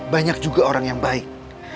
banyak juga orang yang baik